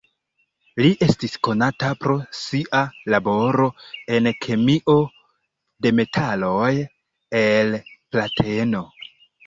Li estis konata pro sia laboro en kemio de metaloj el plateno.